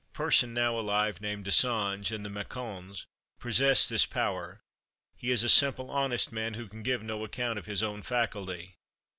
A person now alive, named Dussange, in the Maçonnés, possesses this power. He is a simple, honest man, who can give no account of his own faculty.